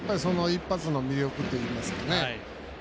一発の魅力といいますかね。